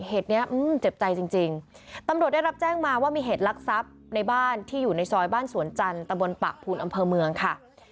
เหตุเนี้ยเจ็บใจจริงตำรวจได้รับแจ้งมาว่ามีเหตุลักษัพในบ้านที่อยู่ในซอยบ้านสวนจันทร์ตะบนปะพูนอำเภอเมืองค่ะ